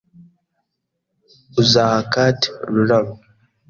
Uzaha Kate ururabo?